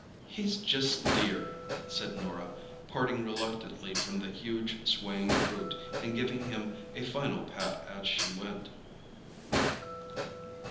"He's just dear," said Norah, parting reluctantly from the huge swaying brute and giving him a final pat as she went.